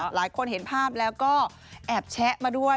หลายคนเห็นภาพแล้วก็แอบแชะมาด้วย